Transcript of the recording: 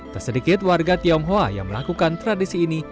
tak sedikit warga tionghoa yang melakukan tradisi ini